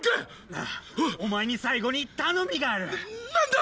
なあお前に最後に頼みがある何だ！